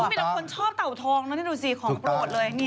มีแต่คนชอบเต่าทองนะนี่ดูสิของโปรดเลย